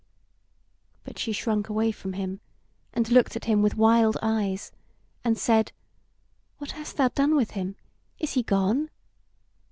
But she shrunk away from him, and looked at him with wild eyes, and said: "What hast thou done with him? Is he gone?"